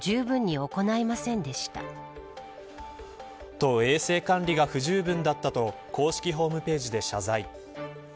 と、衛生管理が不十分だったと公式ホームページで謝罪。